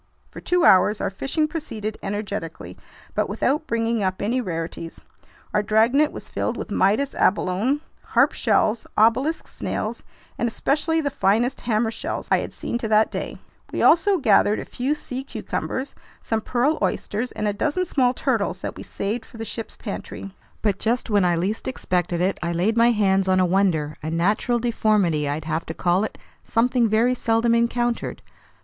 For two hours our fishing proceeded energetically but without bringing up any rarities. Our dragnet was filled with Midas abalone, harp shells, obelisk snails, and especially the finest hammer shells I had seen to that day. We also gathered in a few sea cucumbers, some pearl oysters, and a dozen small turtles that we saved for the ship's pantry. But just when I least expected it, I laid my hands on a wonder, a natural deformity I'd have to call it, something very seldom encountered.